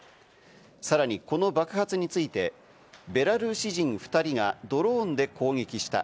さらに、この爆発についてベラルーシ人２人がドローンで攻撃した。